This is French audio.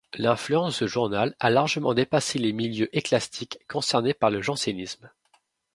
L'influence de ce journal a largement dépassé les milieux ecclésiastiques concernés par le jansénisme.